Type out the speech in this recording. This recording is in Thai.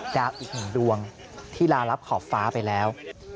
ดาวอีกหนึ่งดวงที่ลารับขอบฟ้าไปแล้ว